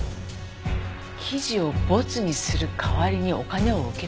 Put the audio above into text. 記事をボツにする代わりにお金を受け取ってたって事？